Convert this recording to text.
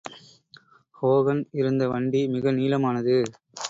Hogan இருந்த வண்டி மிக நீளமானது.